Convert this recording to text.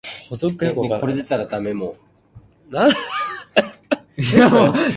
唔該伸出你嘅左手，突出你嘅中指